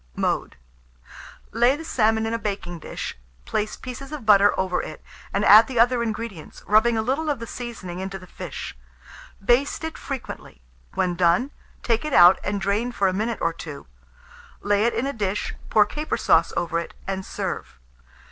Mode. Lay the salmon in a baking dish, place pieces of butter over it, and add the other ingredients, rubbing a little of the seasoning into the fish; baste it frequently; when done, take it out and drain for a minute or two; lay it in a dish, pour caper sauce over it, and serve.